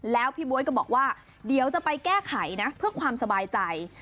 แล้วพี่บ๊วยก็บอกว่าเดี๋ยวจะไปแก้ไขนะเพื่อความสบายใจ